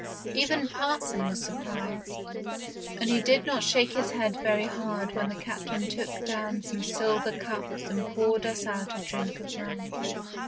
Even parson was surprised, and he did not shake his head very hard when the Captain took down some silver cups and poured us out a drink of rum.